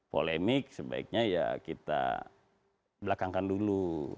polemik sebaiknya ya kita belakangkan dulu